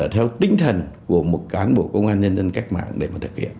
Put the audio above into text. theo tinh thần của một cán bộ công an nhân dân cách mạng để mà thực hiện